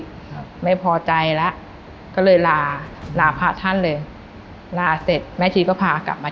ครับไม่พอใจแล้วก็เลยลาลาพระท่านเลยลาเสร็จแม่ชีก็พากลับมา